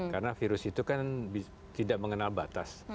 karena virus itu kan tidak mengenal batas